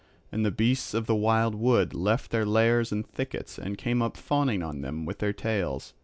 And the beasts of the wild wood left their lairs and thickets and came up fawning on them with their tails.